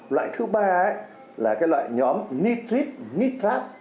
loại thứ ba là cái loại nhóm nitrite nitrate